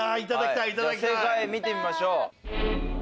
では正解見てみましょう。